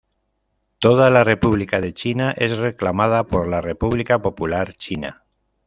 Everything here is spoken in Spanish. Toda la República de China es reclamada por la República Popular China.